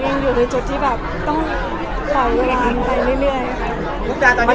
ยังอยู่ในจุดที่แบบต้องขอเวลาไปเรื่อยค่ะ